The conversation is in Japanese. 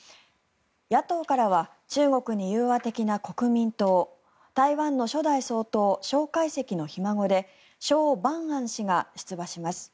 野党からは中国に融和的な国民党台湾の初代総統蒋介石のひ孫でショウ・バンアン氏が出馬します。